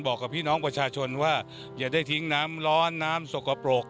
บอกกับพี่น้องประชาชนว่าอย่าได้ทิ้งน้ำร้อนน้ำสกปรก